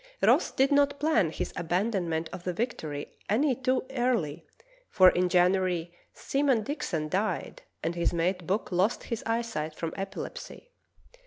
Ross did not plan his abandonment of the Victory any too early, for in January Seaman Dixon died and his mate Buck lost his eyesight from epilepsy.